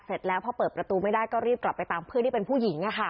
เสร็จแล้วพอเปิดประตูไม่ได้ก็รีบกลับไปตามเพื่อนที่เป็นผู้หญิง